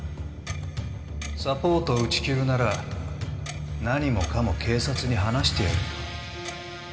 サポートを打ち切るなら何もかも警察に話してやるよ。